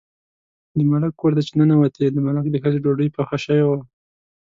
د ملک کور ته چې ننوتې، د ملک د ښځې ډوډۍ پخه شوې وه.